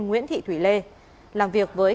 nguyễn thị thùy lê làm việc với